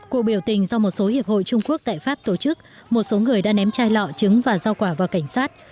cuộc biểu tình do một số hiệp hội trung quốc tại pháp tổ chức một số người đã ném chai lọ trứng và rau quả vào cảnh sát